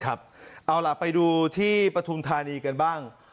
เอาล่ะไปดูที่ปฐุมธานีกันบ้าง